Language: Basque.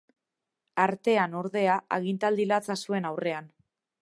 Artean, ordea, agintaldi latza zuen aurrean.